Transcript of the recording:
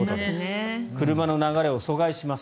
車の流れを阻害します。